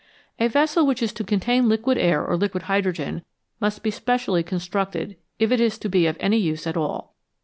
A vessel which is to contain liquid air or liquid hydrogen must be specially constructed if it is to be of any use at all.